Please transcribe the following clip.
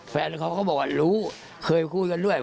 ตอนเขาหง่ายท้องก็ไอ้นั่นเลย